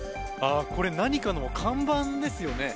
これ、何かの看板ですよね。